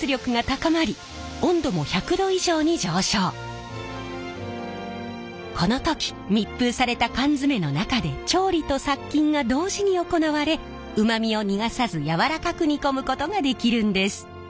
するとこの時密封された缶詰の中で調理と殺菌が同時に行われうまみを逃がさずやわらかく煮込むことができるんです。